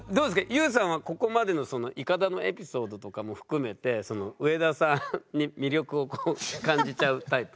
ＹＯＵさんはここまでのイカダのエピソードとかも含めて上田さんに魅力を感じちゃうタイプですか？